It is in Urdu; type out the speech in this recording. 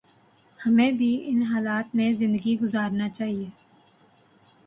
ہمیں بھی ان حالات میں زندگی گزارنا چاہیے